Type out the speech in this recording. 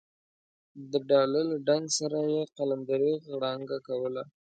د ډاله له ډنګ سره یې قلندرې غړانګه کوله.